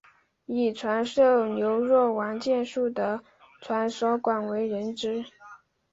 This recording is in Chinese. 以传授牛若丸剑术的传说广为人知。